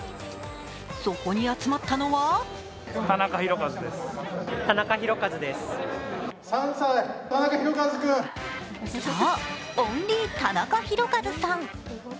そこに集まったのはそう、オンリー、タナカヒロカズさん。